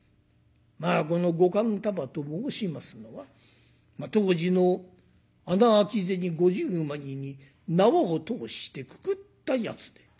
まあこの５貫束と申しますのは当時の穴開き銭５０枚に縄を通してくくったやつで。